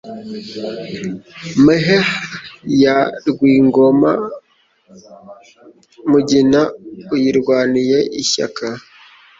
Mahe ya Rwingoma Mugina uyirwaniye ishyaka.